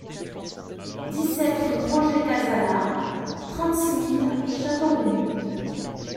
dix-sept rue Roger Cazala, trente-six mille Châteauroux